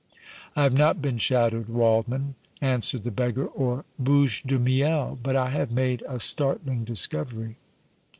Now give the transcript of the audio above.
"I have not been shadowed, Waldmann," answered the beggar or Bouche de Miel, "but I have made a startling discovery."